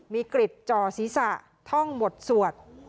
มีกริจจ่อศีรษะท่องหมดสวด